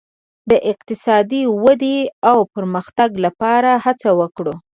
د اقتصادي ودې او پرمختګ لپاره هڅه وکړو.